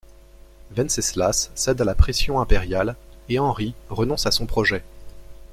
Venceslas cède à la pression impériale et Henri renonce à son projet.